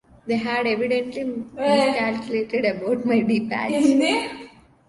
They had evidently miscalculated about my departure.